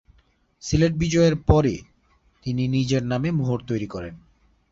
সিলেট বিজয়ের পরে তিনি নিজের নামে মোহর তৈরি করান।